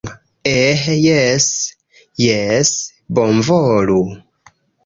Eh jes, jes bonvolu